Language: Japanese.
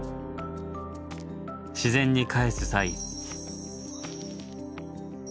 自然に返す際。